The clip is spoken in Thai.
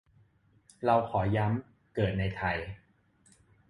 เราขอย้ำ เกิดในไทย